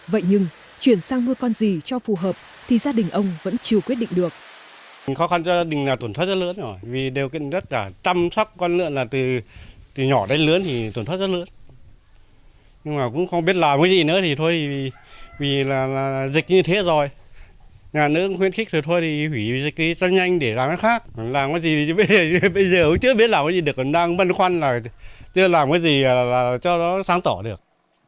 vậy nhưng chuyển sang nuôi con gì cho phù hợp thì gia đình ông vẫn chưa quyết định được